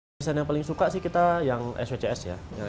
desain yang paling suka sih kita yang swcs ya